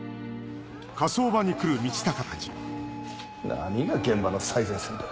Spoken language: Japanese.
何が現場の最前線だ。